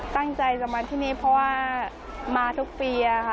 ตั้งใจจะมาที่นี่เพราะว่ามาทุกปีค่ะ